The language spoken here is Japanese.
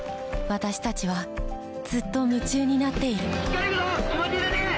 私たちはずっと夢中になっている・行けるぞ！